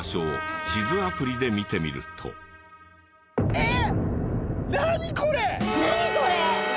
えっ！？